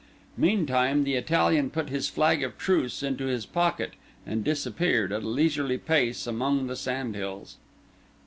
Meantime the Italian put his flag of truce into his pocket, and disappeared, at a leisurely pace, among the sand hills.